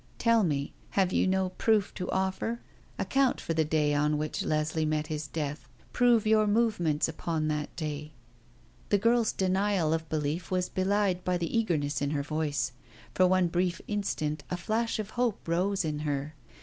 Tell me, have you no proof to offer? Account for the day on which Leslie met his death; prove your movements upon that day." The girl's denial of belief was belied by the eagerness in her voice. For one brief instant a flash of hope rose in her.